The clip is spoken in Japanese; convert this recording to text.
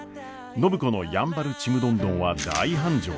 暢子のやんばるちむどんどんは大繁盛。